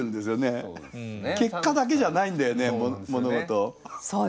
結果だけじゃないんだよね物事。